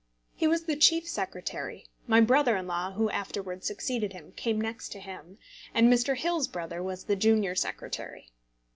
He was the Chief Secretary, my brother in law who afterwards succeeded him came next to him, and Mr. Hill's brother was the Junior Secretary.